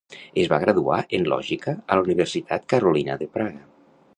Es va graduar en lògica a la Universitat Carolina de Praga.